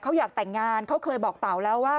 เขาอยากแต่งงานเขาเคยบอกเต๋าแล้วว่า